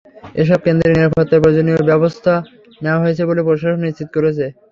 এসব কেন্দ্রের নিরাপত্তায় প্রয়োজনীয় ব্যবস্থা নেওয়া হয়েছে বলে প্রশাসন নিশ্চিত করেছে।